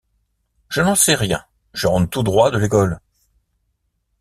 Je n’en sais rien, je rentre tout droit de l’école.